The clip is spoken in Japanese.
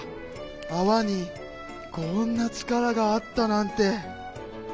あわにこんなちからがあったなんて。